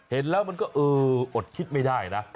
เห็นแล้วมันก็เอออดคิดไม่ได้นะ